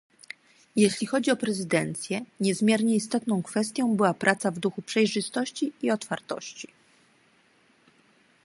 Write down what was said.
Jeśli chodzi o prezydencję, niezmiernie istotną kwestią była praca w duchu przejrzystości i otwartości